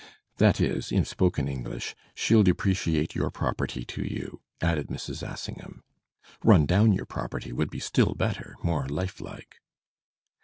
'" That is, in spoken English, "* She'll depreciate your property to you,' added Mrs. Assingham." "Run down your property," would be still better, more life like.